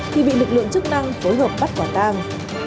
thì bị lực lượng chức năng phối hợp bắt quả tang